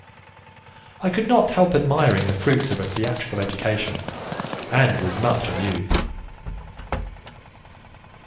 I could not help admiring the fruits of a theatrical education, and was much amused.